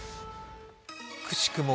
くしくも